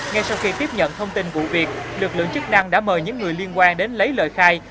ngay sau khi tiếp nhận thông tin vụ việc lực lượng chức năng đã mời những người liên quan đến lấy lời khai